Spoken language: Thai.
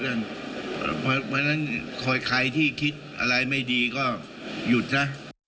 และทำงานให้กับใครที่คิดอะไรไม่ดีก็หยุดนะ